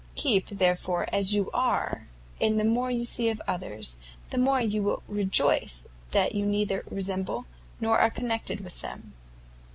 Keep therefore as you are, and the more you see of others, the more you will rejoice that you neither resemble nor are connected with them."